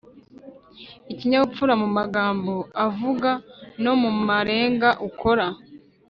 ikinyabupfura mu magambo uvuga no mu marenga ukora.